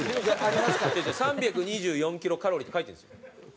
「３２４キロカロリー」って書いてるんですよ。